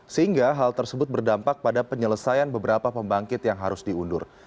sehingga hal tersebut berdampak pada penyelesaian beberapa pembangkit yang harus diundur